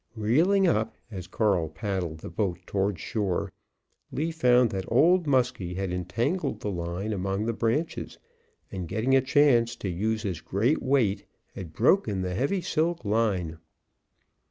Reeling up as Carl paddled the boat toward shore, Lee found that Old Muskie had entangled the line among the branches, and getting a chance to use his great strength, had broken the heavy silk line.